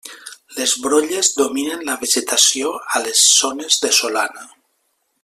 Les brolles dominen la vegetació a les zones de solana.